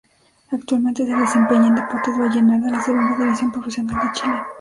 Actualmente se desempeña en Deportes Vallenar de la Segunda División Profesional de Chile.